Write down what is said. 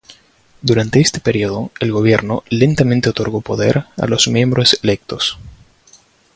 Durante este periodo, el gobierno lentamente otorgó poder a los miembros electos.